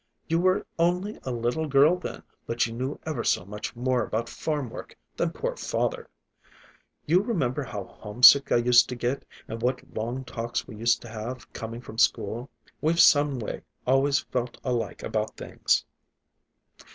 You were only a little girl then, but you knew ever so much more about farm work than poor father. You remember how homesick I used to get, and what long talks we used to have coming from school? We've someway always felt alike about things."